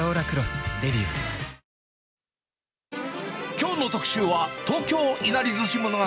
きょうの特集は、東京いなりずし物語。